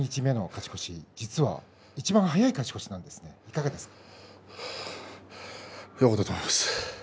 勝ち越しいちばん早い勝ち越しなんです、いかがですか？